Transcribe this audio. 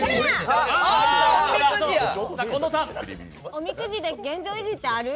おみくじで現状維持ってある？